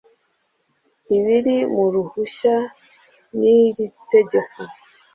ibiri mu ruhushya n iri tegeko